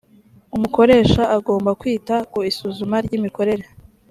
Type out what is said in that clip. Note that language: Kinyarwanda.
umukoresha agomba kwita ku isuzuma ryimikorere.